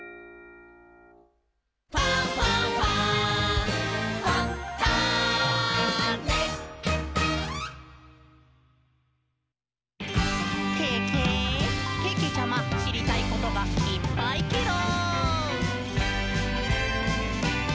「ファンファンファン」「ケケ！けけちゃま、しりたいことがいっぱいケロ！」